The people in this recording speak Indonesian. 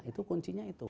itu kuncinya itu